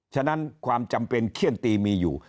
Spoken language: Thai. ฉะนั้นความจำเป็นเขี้ยนตีมีอยู่